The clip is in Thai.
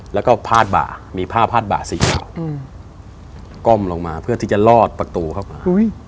แล้วก็พาดบ่ามีผ้าพาดบ่าสีขาวก้มลงมาเพื่อที่จะลอดประตูเข้ามา